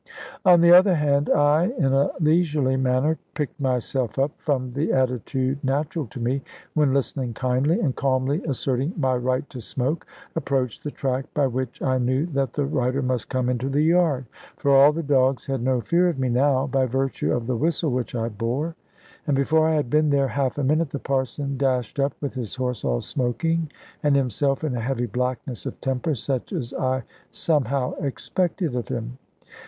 On the other hand, I, in a leisurely manner, picked myself up from the attitude natural to me when listening kindly, and calmly asserting my right to smoke, approached the track by which I knew that the rider must come into the yard; for all the dogs had no fear of me now, by virtue of the whistle which I bore. And before I had been there half a minute, the Parson dashed up with his horse all smoking, and himself in a heavy blackness of temper, such as I somehow expected of him.